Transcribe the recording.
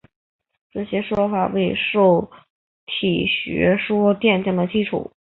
这些说法为受体学说奠定了基础。